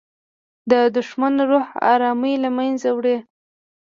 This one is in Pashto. دښمن د روح ارامي له منځه وړي